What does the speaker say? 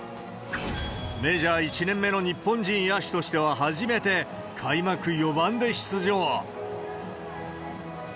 メジャー１年目の日本人野手としては、初めて、開幕４番で出場。